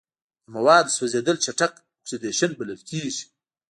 د موادو سوځیدل چټک اکسیدیشن بلل کیږي.